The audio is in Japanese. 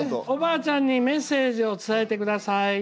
おばあちゃんにメッセージを伝えて下さい。